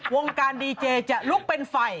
วงการดีเจจะลุกเป็นไฟ